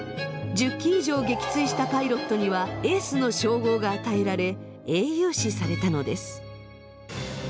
１０機以上撃墜したパイロットには「エース」の称号が与えられ英雄視されたのです。